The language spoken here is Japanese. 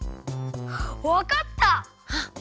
わかった！